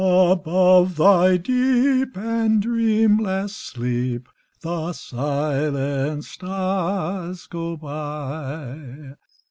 Above thy deep and dreamless sleep The silent stars go by.